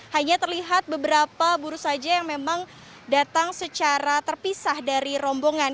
hanya terlihat beberapa buruh saja yang memang datang secara terpisah dari rombongan